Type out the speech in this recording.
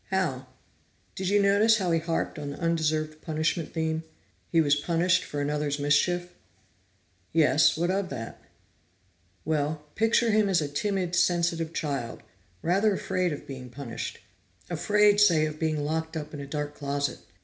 "How?" "Did you notice how he harped on the undeserved punishment theme? He was punished for another's mischief?" "Yes. What of that?" "Well, picture him as a timid, sensitive child, rather afraid of being punished. Afraid, say, of being locked up in a dark closet.